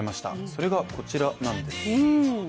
それがこちらなんです。